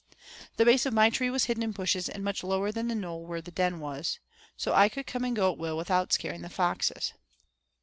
The base of my tree was hidden in bushes and much lower than the knoll where the den was, so I could come and go at will without scaring the foxes.